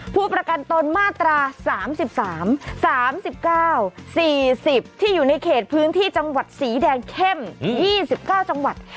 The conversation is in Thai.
ผู้ประกันตนมาตรา๓๓๙๔๐ที่อยู่ในเขตพื้นที่จังหวัดสีแดงเข้ม๒๙จังหวัด